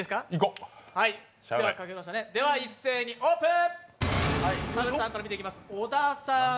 では一斉にオープン！